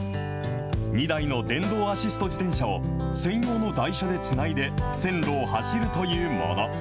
２台の電動アシスト自転車を専用の台車でつないで、線路を走るというもの。